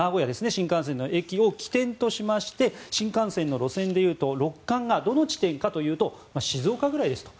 新幹線の駅を起点としまして新幹線の路線で言うと六冠がどの地点かというと静岡ぐらいですと。